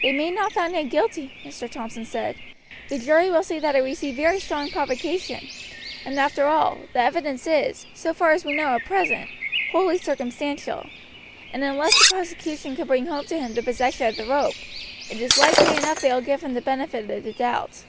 "They may not find him guilty," Mr. Thompson said. "The jury will see that he received very strong provocation; and after all, the evidence is, so far as we know at present, wholly circumstantial, and unless the prosecution can bring home to him the possession of the rope, it is likely enough they will give him the benefit of the doubt."